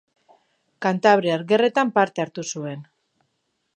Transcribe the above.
Kantabriar Gerretan parte hartu zuen.